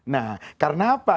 nah karena apa